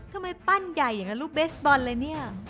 ปั้นใหญ่อย่างนั้นรูปเบสบอลเลยเนี่ย